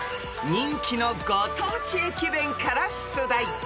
［人気のご当地駅弁から出題］